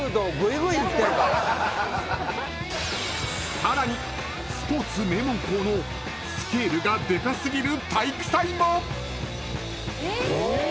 ［さらにスポーツ名門校のスケールがでか過ぎる体育祭も！］え！